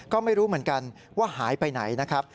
ก็ไม่รู้เหมือนกันว่าหายไปไหนนะครับ